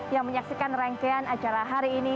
yang menyaksikan rangkaian acara hari ini